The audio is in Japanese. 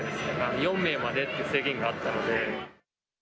４名までっていう制限があったので。